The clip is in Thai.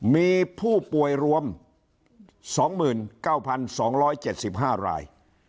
มีผู้ป่วยรวม๒๙๒๗๕ราย